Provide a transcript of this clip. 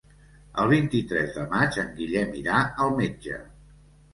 El vint-i-tres de maig en Guillem irà al metge.